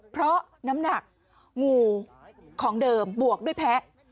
เพราะน้ำหนักงูของเดิมบวกด้วยแพ้